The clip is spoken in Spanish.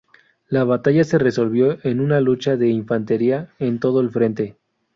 La batalla se resolvió en una lucha de infantería en todo el frente.